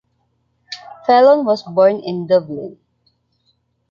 Felon was born in Dublin.